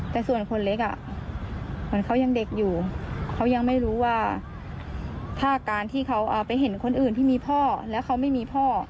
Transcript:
แต่ส่วนคนเล็กเหมือนเขายังเด็กอยู่เขายังไม่รู้ว่าถ้าการที่เขาไปเห็นคนอื่นที่มีพ่อแล้วเขาไม่มีพ่อ